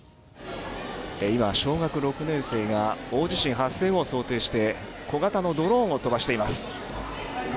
今、小学６年生が大地震発生を想定して小型のドローンを飛ばしています。